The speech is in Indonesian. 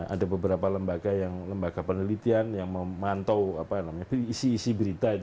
ada beberapa lembaga penelitian yang memantau isi isi berita